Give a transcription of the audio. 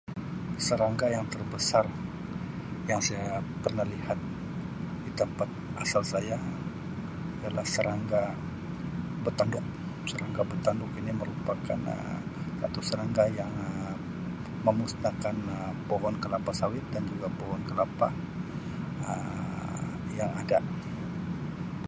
Serangga yang terbesar yang saya pernah lihat di tampat asal saya ialah serangga bertanduk. Serangga bertanduk ini merupakan Um satu serangga yang Um memusnahkan Um pohon kelapa sawit dan juga pohon kelapa Um yang ada.